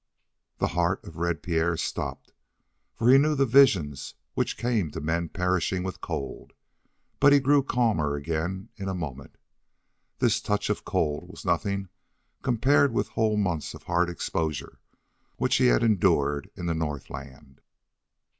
The heart of Red Pierre stopped. For he knew the visions which came to men perishing with cold; but he grew calmer again in a moment. This touch of cold was nothing compared with whole months of hard exposure which he had endured in the northland.